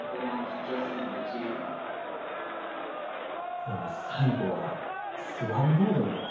いやもう最後はスワンボートに乗って。